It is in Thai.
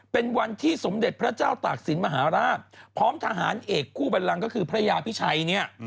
เป็นวันที่สมเด็จพระเจ้าตากศิลป์มหาราชพร้อมทหารเอกคู่บันลังก็คือพระยาพิชัยเนี่ย